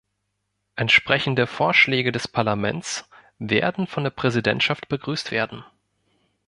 Entsprechende Vorschläge des Parlaments werden von der Präsidentschaft begrüßt werden.